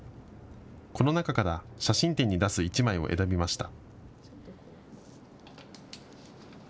この中から写真展に出す１枚を選びました。